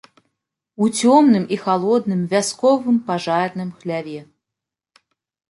У цёмным і халодным вясковым пажарным хляве.